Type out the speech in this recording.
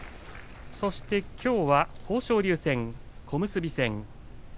そしてきょうは豊昇龍戦小結戦。